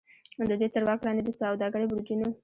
د دوی تر واک لاندې د سوداګرۍ برجونو.